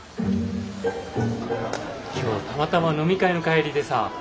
今日たまたま飲み会の帰りでさ。